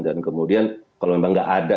dan kemudian kalau memang nggak ada